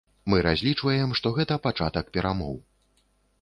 Мы разлічваем, што гэта пачатак перамоў.